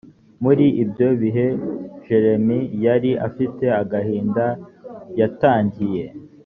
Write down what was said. muri ibyo bihe jeremy yari afite agahinda yatangiye